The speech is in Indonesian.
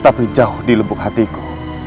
tapi jauh di lembuk hatiku